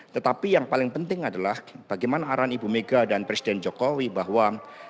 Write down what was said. tetapi yang paling penting adalah bagaimana arahan ibu mega dan presiden jokowi bahwa